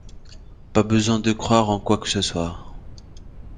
Pas besoin de croire en quoi que ce soit.